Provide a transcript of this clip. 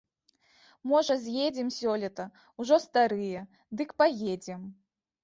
Можа з'едзем сёлета, ужо старыя, дык паедзем.